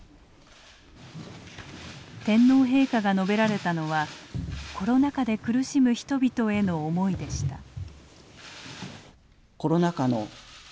天皇陛下が述べられたのはコロナ禍で苦しむ人々への思いでした。